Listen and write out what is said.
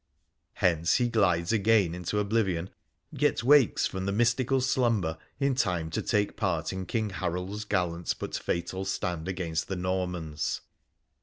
Hence he glides again into oblivion, yet wakes from the mystical slumber in time to take part in King Harold's gallant but fatal stand against the Normans.